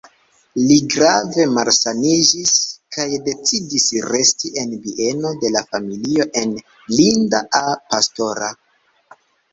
Li grave malsaniĝis kaj decidis resti en bieno de la familio en Linda-a-Pastora.